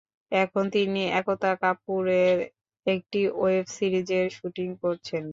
এখন তিনি একতা কাপুরের একটি ওয়েব সিরিজের শুটিং করছেন।